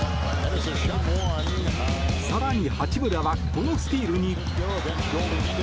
更に八村はこのスティールに。